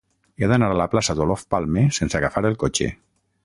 He d'anar a la plaça d'Olof Palme sense agafar el cotxe.